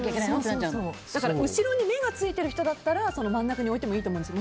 後ろに目がついてる人だったら真ん中に置いてもいいと思うんです。